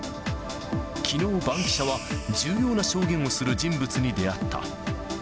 きのうバンキシャは、重要な証言をする人物に出会った。